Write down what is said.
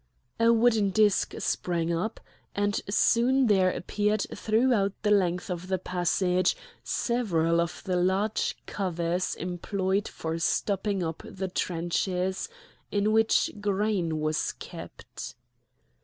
A wooden disc sprang up and soon there appeared throughout the length of the passage several of the large covers employed for stopping up the trenches in which grain was kept.